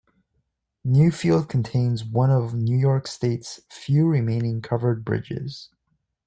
Newfield contains one of New York State's few remaining covered bridges.